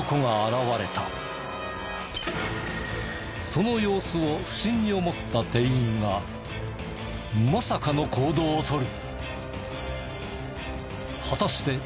その様子を不審に思った店員がまさかの行動をとる。